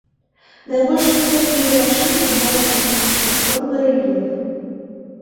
Найбольш высокія вяршыні маюць альпійскія формы рэльефу.